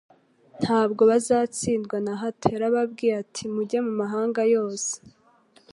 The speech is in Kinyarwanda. ntabwo bazatsindwa na hato. Yarababwiye, ati : mujye mu mahanga yose.